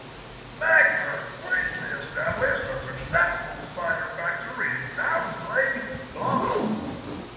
Magner quickly established a successful cider factory in Dowds Lane, Clonmel.